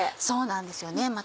そうなんですよね。